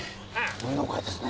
運動会ですね？